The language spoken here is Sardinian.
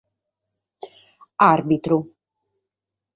Àrbitru.